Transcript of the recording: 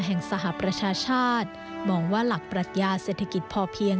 สหประชาชาติมองว่าหลักปรัชญาเศรษฐกิจพอเพียง